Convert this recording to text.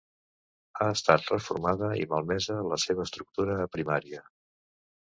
Ha estat reformada, i malmesa la seva estructura primària.